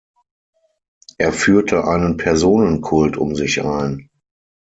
Er führte einen Personenkult um sich ein.